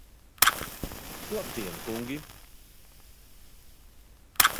Labdien, kungi!